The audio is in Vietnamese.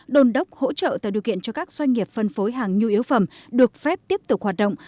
đồn đốc hỗ trợ tạo điều kiện cho các doanh nghiệp phân phối hàng nhu yếu phẩm được phép tiếp tục hoạt động